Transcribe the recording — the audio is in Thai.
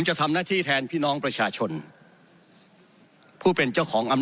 จะทำหน้าที่แทนพี่น้องประชาชนผู้เป็นเจ้าของอำ